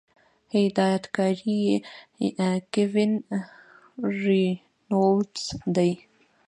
هدايتکار ئې Kevin Reynolds دے